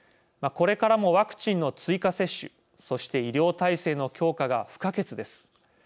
これからも、ワクチンの追加接種そして医療体制の強化が不可欠です。